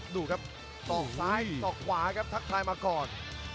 ดูครับตอกซ้ายสอกขวาครับทักทายมาก่อน